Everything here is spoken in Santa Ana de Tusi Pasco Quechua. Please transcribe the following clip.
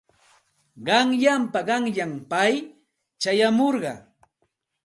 Qanyanpa qanyan pay chayamurqa.